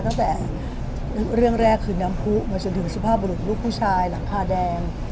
ตั้งแต่เรื่องแรกคือน้ำผู้มาจนถึงสุภาพบรุษลูกผู้ชายหลังคาแดง